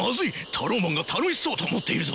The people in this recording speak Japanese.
タローマンが楽しそうと思っているぞ！